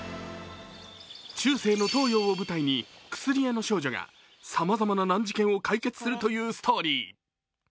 中世の東洋を舞台に薬屋の少女がさまざまな難事件を解決するというストーリー。